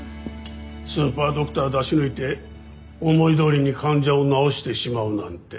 スーパードクター出し抜いて思いどおりに患者を治してしまうなんて。